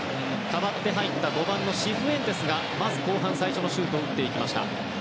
代わって入った５番のシフエンテスがまず後半最初のシュートを打ちました。